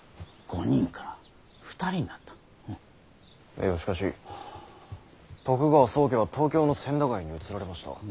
いやしかし徳川宗家は東京の千駄ヶ谷に移られました。